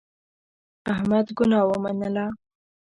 احمد ګناه ومنله.